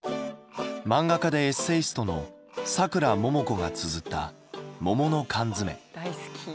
漫画家でエッセイストのさくらももこがつづった「もものかんづめ」。